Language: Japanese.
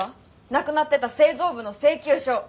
なくなってた製造部の請求書。